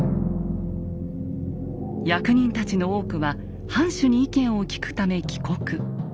役人たちの多くは藩主に意見を聞くため帰国。